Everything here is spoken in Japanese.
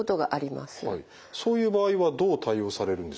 そういう場合はどう対応されるんでしょう？